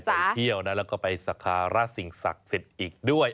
ไปเที่ยวนะแล้วก็ไปสักการะสิ่งศักดิ์สิทธิ์อีกด้วย